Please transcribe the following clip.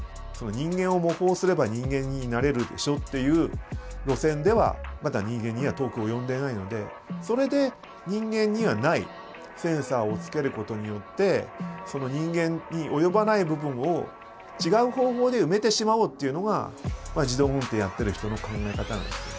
人間を模倣すれば人間になれるでしょっていう路線ではまだ人間には遠く及んでいないのでそれで人間にはないセンサーをつけることによって人間に及ばない部分を違う方法で埋めてしまおうっていうのが自動運転やってる人の考え方なんですよ。